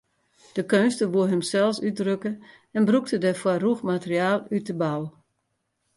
De keunstner woe himsels útdrukke en brûkte dêrfoar rûch materiaal út de bou.